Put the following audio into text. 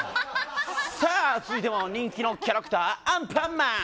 続いては、人気のキャラクターアンパンマン。